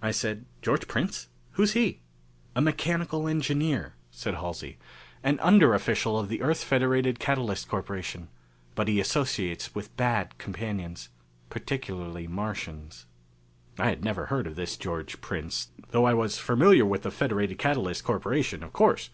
I said, "George Prince? Who is he?" "A mechanical engineer," said Halsey. "An underofficial of the Earth Federated Catalyst Corporation. But he associates with bad companions particularly Martians." I had never heard of this George Prince, though I was familiar with the Federated Catalyst Corporation, of course.